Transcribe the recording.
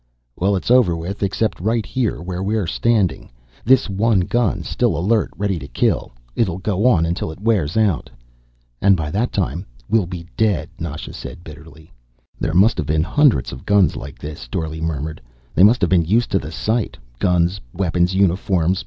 "Well, it's over with. Except right here, where we're standing. This one gun, still alert, ready to kill. It'll go on until it wears out." "And by that time we'll be dead," Nasha said bitterly. "There must have been hundreds of guns like this," Dorle murmured. "They must have been used to the sight, guns, weapons, uniforms.